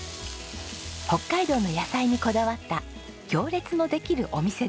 北海道の野菜にこだわった行列のできるお店です。